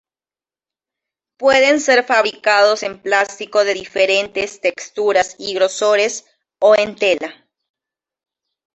Pueden ser fabricados en plástico de diferentes texturas y grosores o en tela.